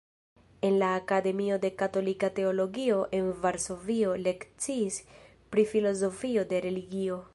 En la Akademio de Katolika Teologio en Varsovio lekciis pri filozofio de religio.